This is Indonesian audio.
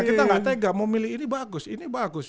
kita tidak tega mau memilih ini bagus ini bagus